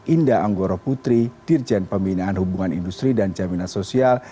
indah anggoro putri dirjen pembinaan hubungan industri dan jaminan sosial